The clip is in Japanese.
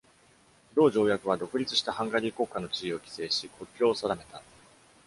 同条約は、独立したハンガリー国家の地位を規制し、国境を定めた。